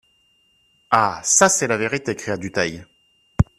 Ah ! ça, c'est la vérité, cria Dutheil.